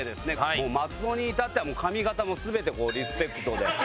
もう松尾に至っては髪形も全てリスペクトで。